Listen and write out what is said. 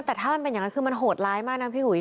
แต่ถ้ามันเป็นอย่างนั้นคือมันโหดร้ายมากนะพี่อุ๋ย